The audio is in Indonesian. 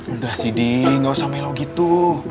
udah sih d gak usah melau gitu